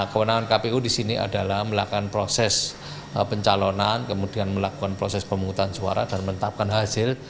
kewenangan kpu di sini adalah melakukan proses pencalonan kemudian melakukan proses pemungutan suara dan menetapkan hasil